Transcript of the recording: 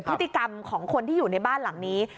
พฤติกรรมของคนที่อยู่ในบ้านหลังนี้